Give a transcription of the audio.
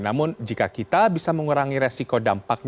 namun jika kita bisa mengurangi resiko dampaknya